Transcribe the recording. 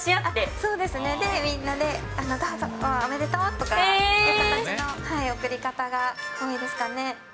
そうですね、みんなで、どうぞ、おめでとうとか、そういう形の贈り方が多いですかね。